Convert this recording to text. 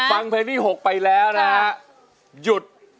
ฟังเพลงที่๖ไปแล้วนะฮะหยุด